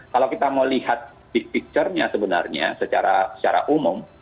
kalau kita mau lihat picture nya sebenarnya secara umum